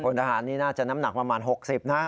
ทหารนี่น่าจะน้ำหนักประมาณ๖๐นะ